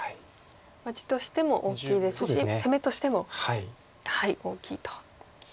地としても大きいですし攻めとしても大きいと。